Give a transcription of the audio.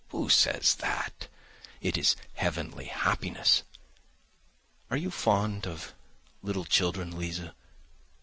Who says that? It is heavenly happiness! Are you fond of little children, Liza?